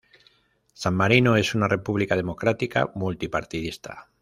San Marino es una república democrática multipartidista.